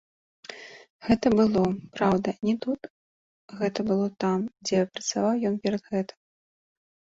Гэта было, праўда, не тут, гэта было там, дзе працаваў ён перад гэтым.